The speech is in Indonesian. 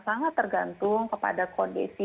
sangat tergantung kepada kondisi